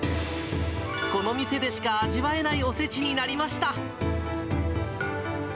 この店でしか味わえないおせちになりました。